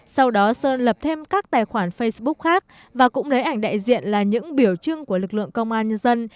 sau đó sơn lập thêm các tài khoản facebook khác và cũng lấy ảnh đại diện là những biểu trưng của lực lượng công an nhân dân